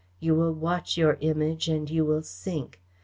You will watch your Image and you will sink.